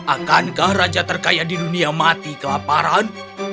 akankah raja terkaya di dunia mati kelaparan